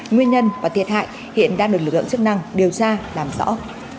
nguyên nhân và thiệt hại hiện đang được lực lượng chức năng điều tra làm rõ